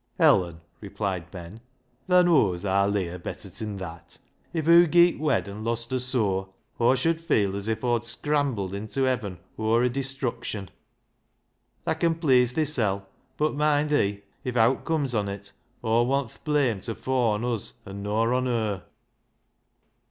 " Ellen," replied Ben, " tha knows aar Leah better tin that. If hoo geet wed an' lost her soul, Aw should feel as if Aw'd scrambled inta heaven o'er her distruction. Tha can pleease thisel', but moind thi, if owt comes on it. Aw want th' blame ta faw on uz an' nor on her."